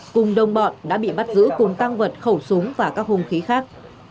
cùng đồng bọn đã bị bắt giữ cùng tăng vật khẩu súng và các hung khí khác